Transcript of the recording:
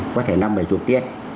có thể năm mấy chục tiết